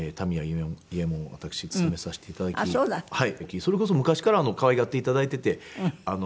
それこそ昔から可愛がって頂いていて。